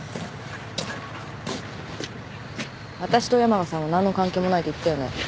わたしと山賀さんは何の関係もないって言ったよね。